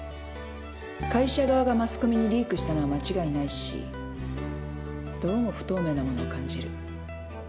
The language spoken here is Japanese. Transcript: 会社側がマスコミにリークしたのは間違いないしどうも不透明なものを感じる。